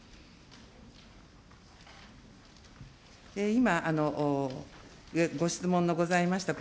今、ご質問のございました